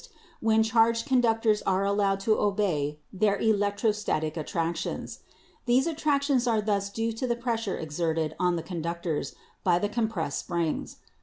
(From Vreeland & Poincare, Maxwell's Theory.) when charged conductors are allowed to obey their elec trostatic attractions. These attractions are thus due to the pressure exerted on the conductors by the compressed springs.